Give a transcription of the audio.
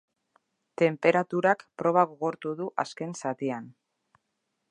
Tenperaturak proba gogortu du azken zatian.